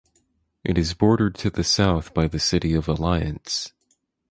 It is bordered to the south by the city of Alliance.